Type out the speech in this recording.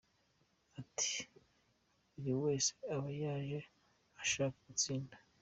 Ati “Buri wese aba yaje ashaka gutsinda.